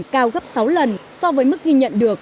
cao gấp sáu lần so với mức ghi nhận được